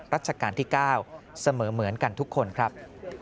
รัชกาลที่๙เสมอเหมือนกันทุกคนครับ